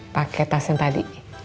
pake tas yang tadi